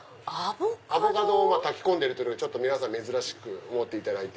アボカドを炊き込んでるって皆さん珍しく思っていただいて。